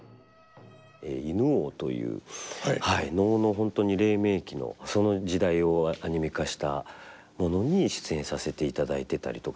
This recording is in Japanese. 「犬王」という能の本当に黎明期のその時代をアニメ化したものに出演させていただいてたりとか。